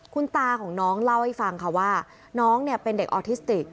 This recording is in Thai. คุณตาของน้องเล่าให้ฟังค่ะว่าน้องเนี่ยเป็นเด็กออทิสติก